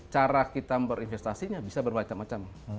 cara kita berinvestasi nya bisa berbaca macam